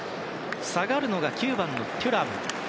下がるのが９番、テュラム。